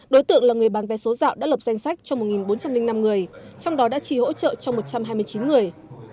đối tượng là người bán vé số dạo đã lập danh sách cho một bốn trăm linh năm người trong đó đã trì hỗ trợ cho một trăm hai mươi chín người